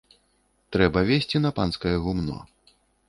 Трэба везці на панскае гумно.